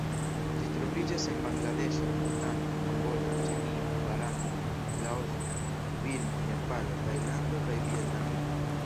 Ĝi troviĝas en Bangladeŝo, Butano, Kamboĝo, Ĉinio, Barato, Laoso, Birmo, Nepalo, Tajlando kaj Vjetnamio.